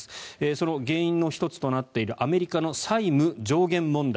その原因の１つとなっているアメリカの債務上限問題。